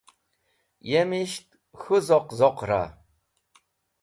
Yemisht k̃hũ zoq zoqẽra?